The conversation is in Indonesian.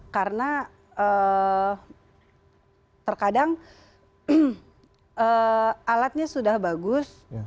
karena terkadang alatnya sudah bagus